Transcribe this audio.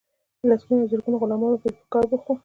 لسګونه او زرګونه غلامان به پکې په کار بوخت وو.